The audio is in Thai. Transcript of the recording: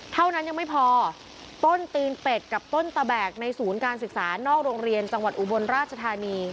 เท่านั้นยังไม่พอต้นตีนเป็ดกับต้นตะแบกในศูนย์การศึกษานอกโรงเรียนจังหวัดอุบลราชธานี